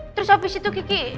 terus abis itu kiki